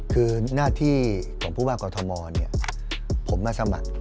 คือหน้าที่ของผู้ว่ากอทมผมมาสมัคร